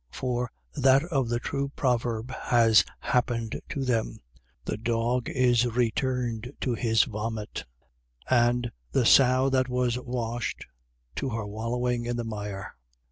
2:22. For, that of the true proverb has happened to them: The dog is returned to his vomit; and: The sow that was washed to her wallowing in the mire.